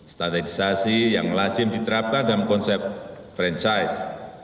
standarisasi yang lazim diterapkan dalam konsep franchise